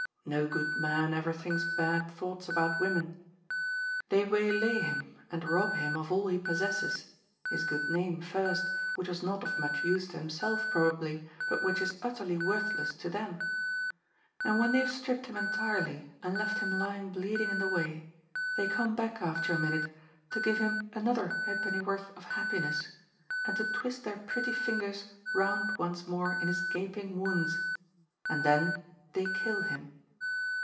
Ko good man ever thinks bad thoughts about women. They waylay him, and rob him of all he possesses — ^his good name, first, which was not of much use to himself, probably, but which is utterly worthless to them — and when they have stripped him entirely and left him lying bleeding in the way, they come back after a minute to give him another ha'penny worth of happiness and to twist their pretty fingers round once more in his gaping wounds, and then they kill him.